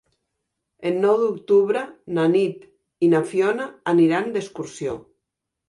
El nou d'octubre na Nit i na Fiona aniran d'excursió.